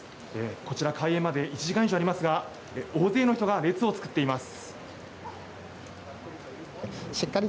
こちら開園まで１時間以上ありますが大勢の人が列を作っています。